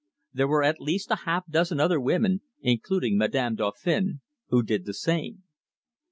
There were at least a half dozen other women, including Madame Dauphin, who did the same.